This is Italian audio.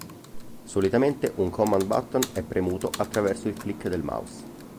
Solitamente un command button è premuto attraverso il click del mouse.